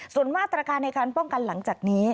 ส่วนมาตรการในการป้องกันหลังจากนี้